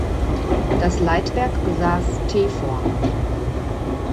Das Leitwerk besaß T-Form.